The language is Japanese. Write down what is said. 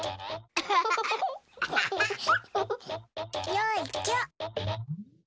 よいしょ。